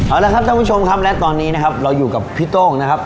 เอาละครับท่านผู้ชมครับและตอนนี้นะครับเราอยู่กับพี่โต้งนะครับ